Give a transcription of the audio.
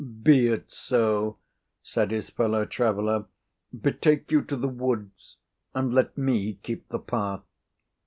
"Be it so," said his fellow traveller. "Betake you to the woods, and let me keep the path."